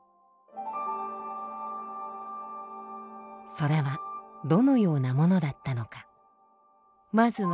それはどのようなものだったのかまずは禅宗。